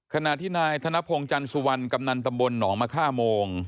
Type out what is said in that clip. ขณะที่นายธนพงศ์จันสุวรรณกำนันตำบลหนองมะค่าโมง